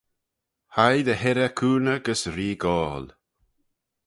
Hie dy hirrey cooney gys ree Goal.